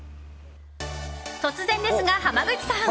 突然ですが、濱口さん